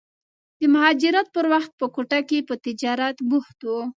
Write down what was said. د مهاجرت پر وخت په کوټه کې په تجارت بوخت و.